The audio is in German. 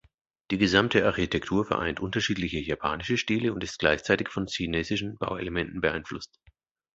Die gesamte Architektur vereint unterschiedliche japanische Stile und ist gleichzeitig von chinesischen Bauelementen beeinflusst.